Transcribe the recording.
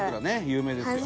有名ですよ。